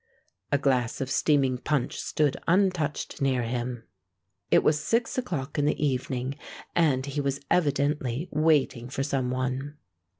A glass of steaming punch stood untouched near him. It was six o'clock in the evening; and he was evidently waiting for some one.